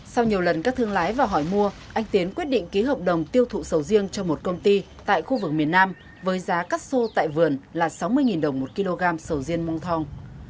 sau nhiều lần các thương lái và hỏi mua anh tiến quyết định ký hợp đồng tiêu thụ sầu riêng cho một công ty tại khu vực miền nam với giá cắt xô tại vườn là sáu mươi đồng một kg sầu riêng mông thong